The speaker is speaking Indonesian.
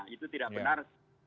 itu tidak benar